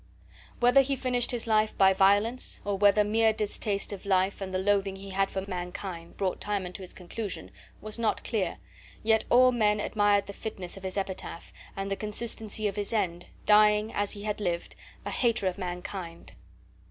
Whether he finished his life by violence, or whether mere distaste of life and the loathing he had for mankind brought Timon to his conclusion, was not clear, yet all men admired the fitness of his epitaph and the consistency of his end, dying, as he had lived, a hater of mankind.